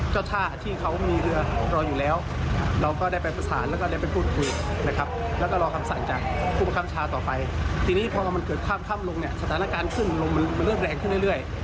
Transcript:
สถานการณ์ขึ้นลงมันเริ่มแรงขึ้นเรื่อย